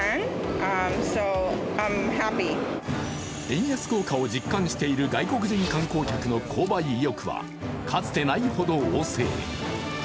円安効果を実感している外国人観光客の購買意欲はかつてないほど旺盛。